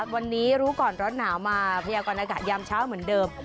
วันนี้รู้ก่อนร้อนหนาวมาพยากรณากาศยามเช้าเหมือนเดิม